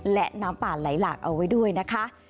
และน้ำป่าไหลหลากเอาไว้ด้วยนะคะ